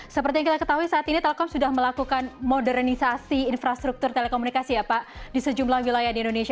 seperti yang kita ketahui saat ini telkom sudah melakukan modernisasi infrastruktur telekomunikasi ya pak di sejumlah wilayah di indonesia